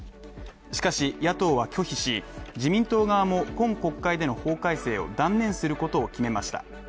しかし、野党は拒否し、自民党側も今国会での法改正を断念することを決めました。